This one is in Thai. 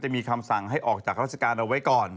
มีคำสั่งให้ออกจากราชการเอาไว้ก่อน